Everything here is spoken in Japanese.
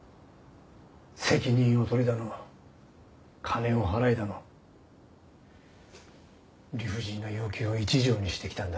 責任を取れだの金を払えだの理不尽な要求を一条にしてきたんだ。